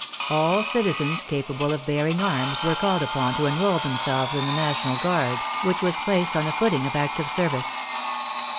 All citizens capable of bearing arms v^ere called upon to enroll themselves in the National Guard, which was placed on a footing of active service.